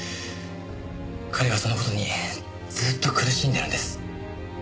彼はその事にずっと苦しんでるんです。